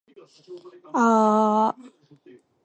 aaaa